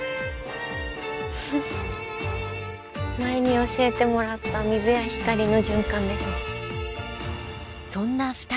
前に教えてもらった水や光の循環ですね。